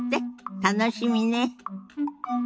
楽しみね。